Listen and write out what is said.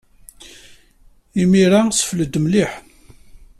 Imir-a, ssefled mliḥ.